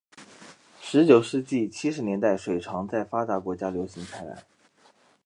十九世纪七十年代水床在发达国家流行开来。